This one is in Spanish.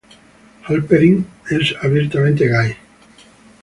Halperin es abiertamente gay.